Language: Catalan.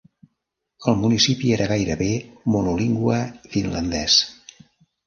El municipi era gairebé monolingüe finlandès.